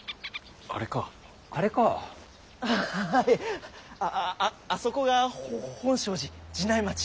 あああそこがほほ本證寺寺内町。